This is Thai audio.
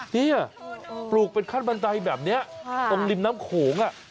เนี่ยปลูกเป็นขั้นบันไดแบบนี้ตรงริมน้ำโขง